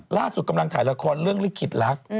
ล่าสุดกำลังถ่ายรายละคอนเรื่องริคิตลักษณ์